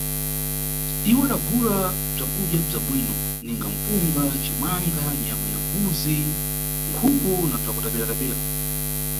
Iwo adagula bzakudya bzabwino ninga mpunga, cimbamba, nyama ya mbuzi, nkhuku na bzakutapiratapira.